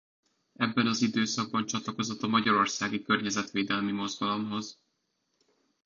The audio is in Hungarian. Ebben az időszakban csatlakozott a magyarországi környezetvédelmi mozgalomhoz.